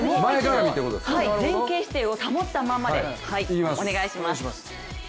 はい、前傾姿勢を保ったままでお願いします。